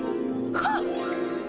はっ！